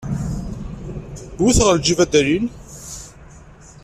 Wwet ɣar lǧib, ad d-alin.